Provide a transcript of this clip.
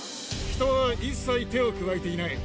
人は一切手を加えていない。